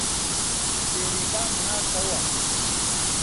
بێریڤان هاتەوە